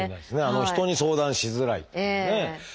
人に相談しづらいっていうね